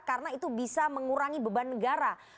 karena itu bisa mengurangi beban negara